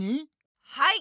はい。